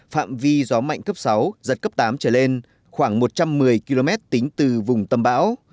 phạm vi gió mạnh cấp sáu giật cấp tám trở lên khoảng một trăm một mươi km tính từ vùng tâm bão